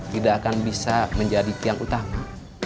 tidak akan bisa menjadi tiang utama